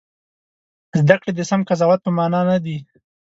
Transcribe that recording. زده کړې د سم قضاوت په مانا نه دي.